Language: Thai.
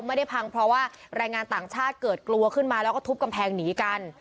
ไม่ได้พังเพราะว่าแรงงานต่างชาติเกิดกลัวขึ้นมาแล้วก็ทุบกำแพงหนีกัน